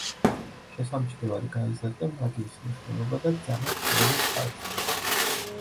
შესამჩნევად გაიზარდა მაგიის მნიშვნელობა და ძალა ყოველი მხარისთვის.